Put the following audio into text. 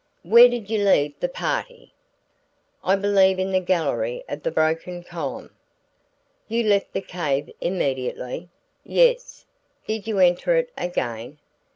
"Where did you leave the party?" "I believe in the gallery of the broken column." "You left the cave immediately?" "Yes." "Did you enter it again?"